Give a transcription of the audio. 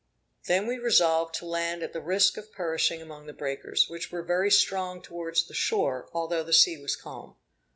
Then we resolved to land at the risk of perishing among the breakers, which were very strong towards the shore, although the sea was calm.